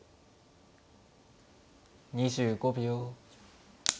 ２５秒。